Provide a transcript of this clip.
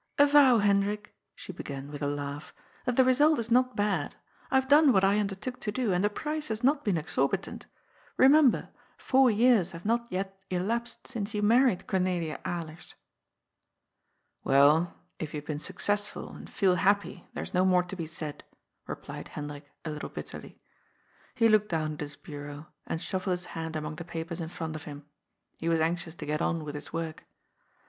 " Avow, Hendrik," she began, with a laugh, " that the re sult is not bad. I have done what I undertook to do, and the price has not been exorbitant. Bemember, four years have not yet elapsed since you married Cornelia Alers." " Well, if you have been successful and feel happy, there is no more to be said," replied Hendrik, a little bitterly. He looked down at his bureau and shuffled his hand among the papers in front of him. He was anxious to get on with his work.